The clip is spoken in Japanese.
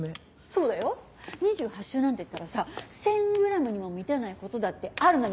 そうだよ２８週なんていったらさ１０００ｇにも満たないことだってあるのに。